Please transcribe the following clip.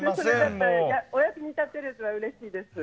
お役に立てるのはうれしいです。